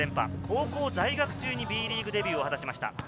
高校在学中にＢリーグデビューを果たしました。